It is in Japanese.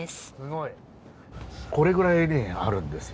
これぐらいねあるんですよ。